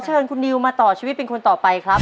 เชิญคุณนิวมาต่อชีวิตเป็นคนต่อไปครับ